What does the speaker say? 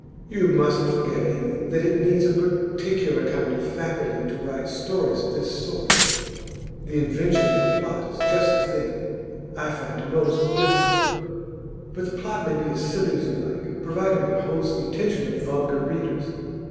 'You mustn't forget, Amy, that it needs a particular kind of faculty to write stories of this sort. The invention of a plot is just the thing I find most difficult.' 'But the plot may be as silly as you like, providing it holds the attention of vulgar readers.